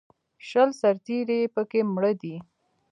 شل سرتېري یې په کې مړه دي